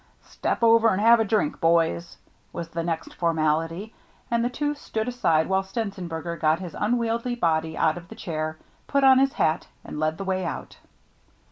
"Step over and have a drink, boys," was the next formality; and the two stood aside while Stenzenberger got his unwieldy body out of the chair, put on his hat, and led the way out.